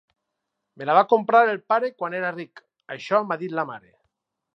Me la va comprar el pare quan era ric... això m'ha dit la mare!